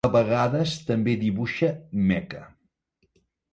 A vegades, també dibuixa meca.